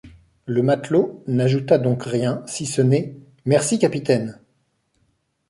Le matelot n’ajouta donc rien, si ce n’est :« Merci, capitaine !